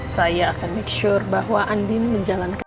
saya akan make sure bahwa andin menjalankan